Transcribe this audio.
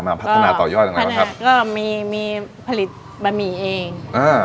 มาพัฒนาต่อย่อยตั้งแต่วะครับก็มีมีผลิตบะหมี่เองอ่า